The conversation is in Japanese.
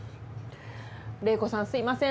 玲子さんすみません。